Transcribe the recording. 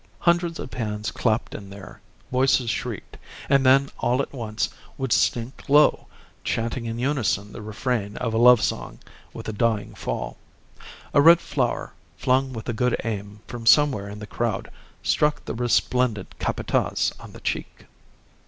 Hundreds of hands clapped in there; voices shrieked, and then all at once would sink low, chanting in unison the refrain of a love song, with a dying fall. A red flower, flung with a good aim from somewhere in the crowd, struck the resplendent Capataz on the cheek.